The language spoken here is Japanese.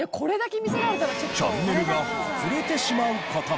チャンネルが外れてしまう事も。